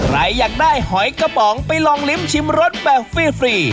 อยากได้หอยกระป๋องไปลองลิ้มชิมรสแบบฟรี